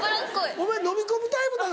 お前のみ込むタイプなの？